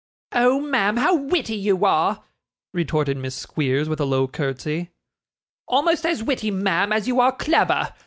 'Oh, ma'am, how witty you are,' retorted Miss Squeers with a low curtsy, 'almost as witty, ma'am, as you are clever.